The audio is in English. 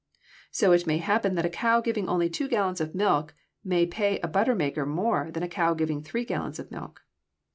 So it may happen that a cow giving only two gallons of milk may pay a butter maker more than a cow giving three gallons of milk.